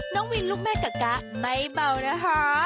น้องวินลูกแม่กับกะไม่เบานะคะ